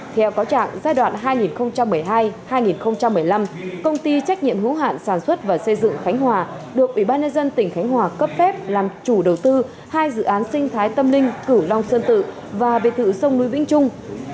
theo cáo trạng giai đoạn hai nghìn một mươi hai hai nghìn một mươi năm công ty trách nhiệm hữu hạn sản xuất và xây dựng khánh hòa được ủy ban nhân dân tỉnh khánh hòa cấp phép làm chủ đầu tư hai dự án sinh thái tâm linh cửu long sơn tự và biệt thự sông núi vĩnh trung